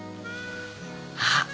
あっ。